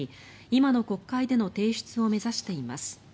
今の国会での提出を目指しています。